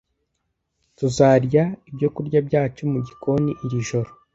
Tuzarya ibyokurya byacu mugikoni iri joro.